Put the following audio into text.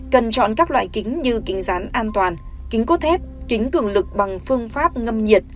cần chọn các loại kính như kính rán an toàn kính cốt thép kính cường lực bằng phương pháp ngâm nhiệt